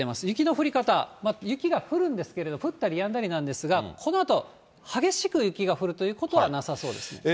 雪の降り方、雪は降るんですけれども、降ったりやんだりなんですが、このあと、激しく雪が降るということはなさそうです。